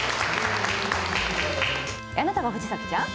あなたが藤崎ちゃん？